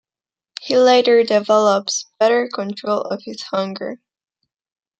He later develops better control of his "hunger".